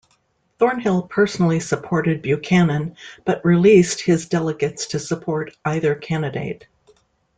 Thornhill personally supported Buchanan, but "released" his delegates to support either candidate.